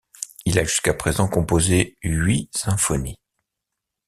Il a jusqu'à présent composé huit symphonies.